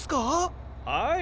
はい。